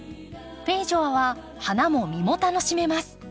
フェイジョアは花も実も楽しめます。